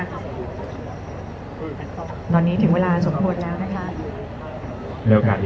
ตอนนี้ถึงเวลาสมบูรณ์แล้วกันครับค่ะ